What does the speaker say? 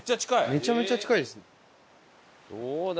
めちゃめちゃ近いですね。